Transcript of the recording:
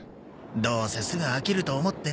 どうせすぐ飽きると思ってな。